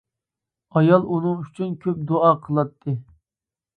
ئايال ئۇنىڭ ئۈچۈن كۆپ دۇئا قىلاتتى.